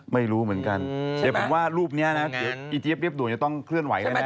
ไม่รู้เหมือนกันเธอบอกว่ารูปเนี่ยนะอีเจ๊ยบเรียบด่วนต้องเคลื่อนไหวได้แน่